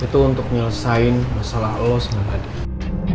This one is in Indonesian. itu untuk nyelesain masalah lo semuanya